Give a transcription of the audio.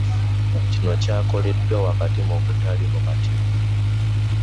Kino Kyakoleddwa wakati mu butali bumativu